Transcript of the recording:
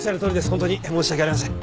ホントに申し訳ありません。